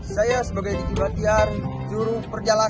saya sebagai tiki batiar juru perjalanan